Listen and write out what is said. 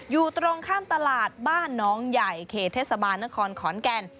อยู่ตรงข้ามตลาดบ้านน้องใหญ่เขตเทศบาลนครขอนแก่น